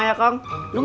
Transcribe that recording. teman lo juga